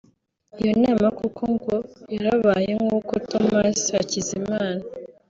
Iyo nama koko ngo yarabaye nk’uko Thomas Hakizimana